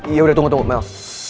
yaudah tunggu tunggu mel